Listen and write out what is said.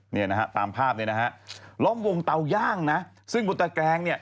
นี่นะครับตามภาพนี้นะครับล้อมวงเต้าย่างซึ่งบนแตกแกง